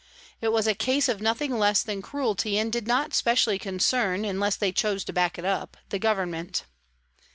It was a case of nothing less than cruelty and did not specially concern, unless they chose to back it up, the Govern ment.